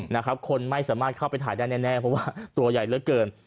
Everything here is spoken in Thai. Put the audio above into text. นะครับคนไม่สามารถเข้าไปถ่ายได้แน่เพราะว่าตัวใหญ่เหลือเกิน